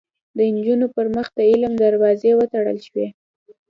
د نجونو پر مخ د علم دروازې وتړل شوې